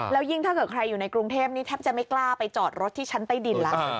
แล้วยิ่งถ้าเกิดใครอยู่ในกรุงเทพนี่แทบจะไม่กล้าไปจอดรถที่ชั้นใต้ดินแล้ว